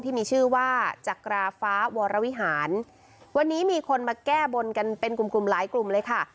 ที่มีชื่อว่าจักราฟ้าวรวิหารวันนี้มีคนมาแก้บนกันเป็นกลุ่มกลุ่มหลายกลุ่มเลยค่ะ